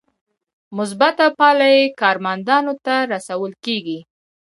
مثبته پایله یې کارمندانو ته رسول کیږي.